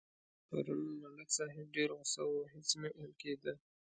پرون ملک صاحب ډېر غوسه و هېڅ نه اېل کېدا.